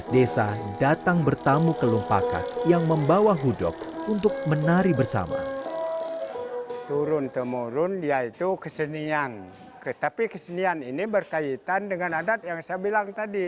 dua belas desa datang bertamu ke lumpakah yang membawa hudok untuk menari bersama